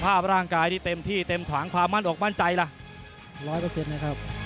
สภาพร่างกายที่เต็มที่เต็มถวังความมั่นออกมั่นใจล่ะ